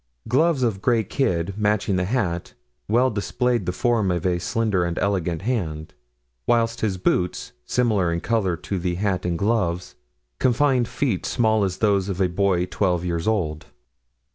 Gloves of gray kid, matching the hat, well displayed the form of a slender and elegant hand; whilst his boots, similar in color to the hat and gloves, confined feet small as those of a boy twelve years old.